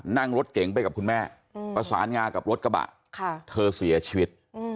นั่งรถเก๋งไปกับคุณแม่ประสานงากับรถกระบะเธอเสียชีวิต